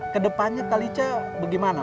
kedepannya kalista bagaimana